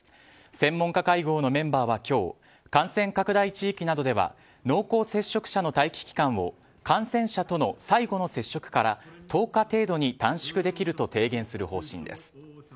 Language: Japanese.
専門家会合のメンバーは今日感染拡大地域などでは濃厚接触者の待機期間を感染者との最後の接触から１０日程度に短縮できると提言する方針です。